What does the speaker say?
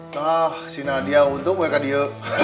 tah si nadia untuk wekadio